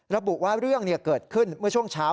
ระบุว่าเรื่องเกิดขึ้นเมื่อช่วงเช้า